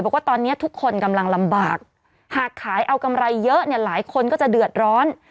บอกว่าตอนนี้ทุกคนกำลังลำบากหากขายเอากำไรเยอะเนี่ยหลายคนก็จะเดือดร้อน